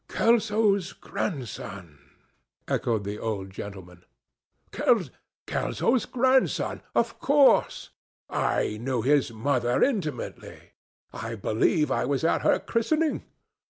"Kelso's grandson!" echoed the old gentleman. "Kelso's grandson! ... Of course.... I knew his mother intimately. I believe I was at her christening.